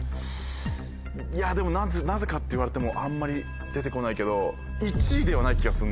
いやでもなぜかっていわれてもあんまり出てこないけど。